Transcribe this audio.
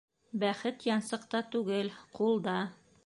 Бәхет янсыҡта түгел, ҡулда.